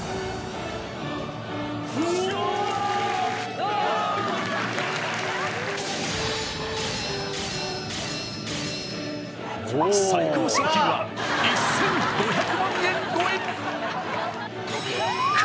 おおおお最高賞金は１５００万円超え！